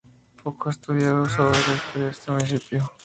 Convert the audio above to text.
Poco se ha estudiado sobre la historia de este municipio.